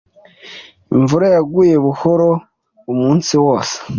Imvura yaguye buhoro umunsi wose.